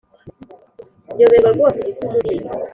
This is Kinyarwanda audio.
nyoberwa rwose igituma undinda